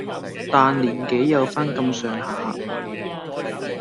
但年紀有返咁上下